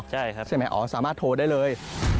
ใช่ไหมอ๋อสามารถโทรได้เลย